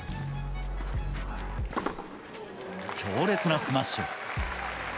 強烈なスマッシュ。